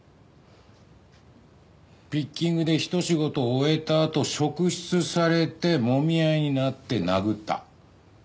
ピッキングでひと仕事終えたあと職質されてもみ合いになって殴った。